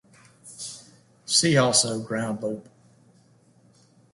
See also ground loop.